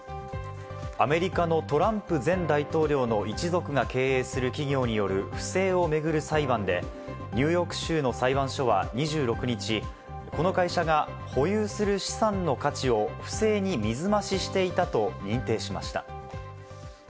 アメリカのトランプ前大統領の一族が経営する企業による不正を巡る裁判で、ニューヨーク州の裁判所は２６日、この会社が保有する資産の価値を不正に水増ししていたと認定しました。